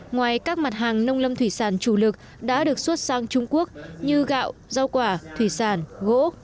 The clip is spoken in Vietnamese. ngoài các mặt hàng nông lâm thủy sản chủ lực đã được xuất sang trung quốc như gạo rau quả thủy sản gỗ